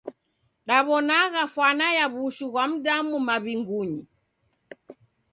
Daw'onagha fwana ya w'ushu ghwa mdamu maw'ingunyi.